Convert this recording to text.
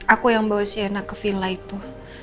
aku yang bawa sienna ke villa itu